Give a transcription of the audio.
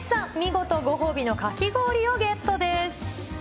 見事、ご褒美のかき氷をゲットです。